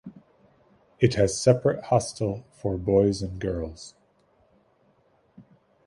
It has separate hostel for boys and girls.